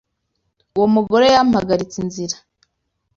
Uwo mugore yampagaritse inzira.